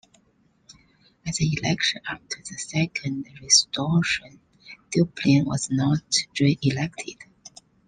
At the election after the second restoration Dupin was not reelected.